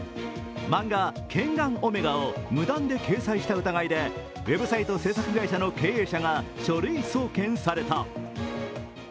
漫画「ケンガンオメガ」を無断で掲載した疑いでウェブサイト制作会社の経営者が書類送検された。